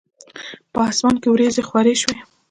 په اسمان کې وریځي خوری شوی